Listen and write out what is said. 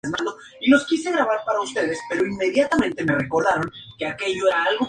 Al Sapienza fue contratado para interpretar a Dennis Coburn, el padre de Cara.